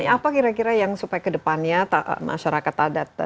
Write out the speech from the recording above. apa kira kira yang supaya ke depannya masyarakat adat